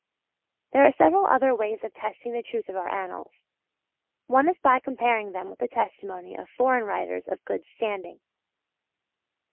There are several other ways of testing the truth of our annals. One is by comparing them with the testimony of foreign writers of good standing.